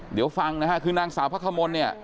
เดี๋ยวฟังนะครับคือนางสาวพระคมล